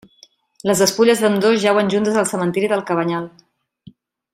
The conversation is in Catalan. Les despulles d'ambdós jauen juntes en el Cementeri del Cabanyal.